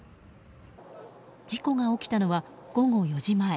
事故が起きたのは午後４時前。